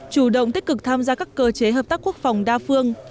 chủ động tích cực tham gia các cơ chế hợp tác quốc phòng đa phương